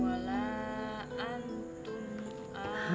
wala antum abidu nama'a budu